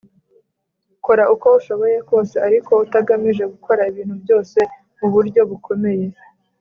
Kora uko ushoboye kose ariko utagamije gukora ibintu byose mu buryo bukomeye